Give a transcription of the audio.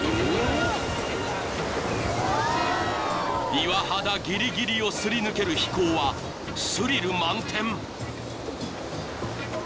［岩肌ギリギリをすり抜ける飛行はスリル満点］